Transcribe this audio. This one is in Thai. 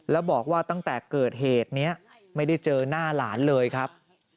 แล้วบอกว่าตั้งแต่เกิดเหตุนี้ไม่ได้เจอหน้าหลานเลยครับ